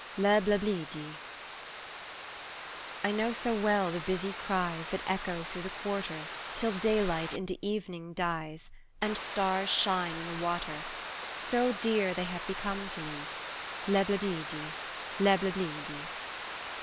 LEBLEBIDJI* I KNOW so well the busy cries That echo through the quarter Till daylight into evening dies And stars shine in the water, So dear they have become to me, Leblebidji! leblebidji!